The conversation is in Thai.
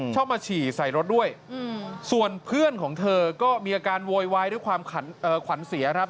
ชอบมาฉี่ใส่รถด้วยส่วนเพื่อนของเธอก็มีอาการโวยวายด้วยความขวัญเสียครับ